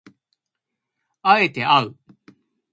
敢えてあう